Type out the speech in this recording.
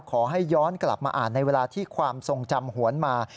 ขอให้ย้อนกลับมาอ่านในเวลาที่ความทรงจำหวนมา